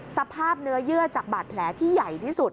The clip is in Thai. สภาพเนื้อเยื่อจากบาดแผลที่ใหญ่ที่สุด